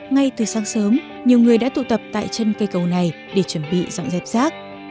ngay từ sáng sớm nhiều người đã tụ tập tại chân cây cầu này để chuẩn bị dọn dẹp rác